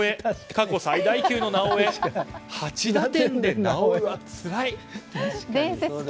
過去最大級の「なおエ」８打点で「なおエ」はつらい。